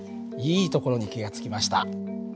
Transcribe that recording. いいところに気が付きました。